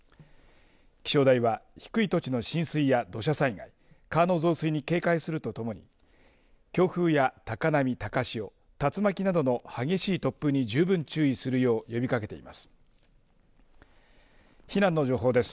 気象台は低い土地の浸水や土砂災害川の増水に警戒するとともに強風や高波、高潮竜巻などの激しい突風に十分注意するよう呼びかけています。